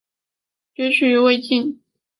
崛起于魏晋。